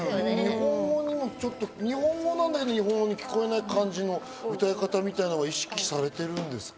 日本語なんだけど日本語に聴こえない感じの歌い方みたいなのは意識されてるんですか？